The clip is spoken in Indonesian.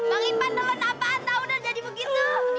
bang ipan lu kenapaan tahunan jadi begitu